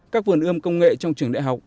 các vườn ươm công nghệ trong trường đại học